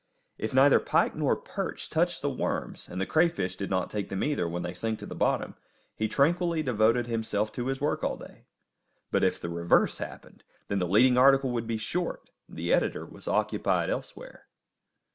If neither pike nor perch touched the worms, and the crayfish did not take them either when they sank to the bottom, he tranquilly devoted himself to his work all day; but if the reverse happened, then the leading article would be short; the editor was occupied elsewhere.